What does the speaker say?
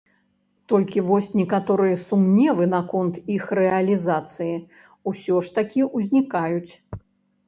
Толькі вось некаторыя сумневы наконт іх рэалізацыі ўсё ж такі ўзнікаюць.